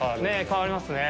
変わりますね。